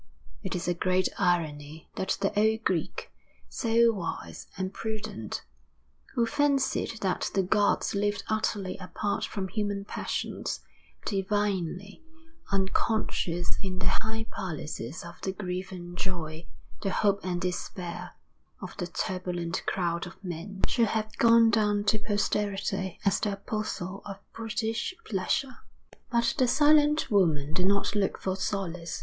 It is a great irony that the old Greek, so wise and prudent, who fancied that the gods lived utterly apart from human passions, divinely unconscious in their high palaces of the grief and joy, the hope and despair, of the turbulent crowd of men, should have gone down to posterity as the apostle of brutish pleasure. But the silent woman did not look for solace.